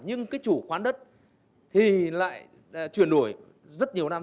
nhưng cái chủ khoán đất thì lại chuyển đổi rất nhiều năm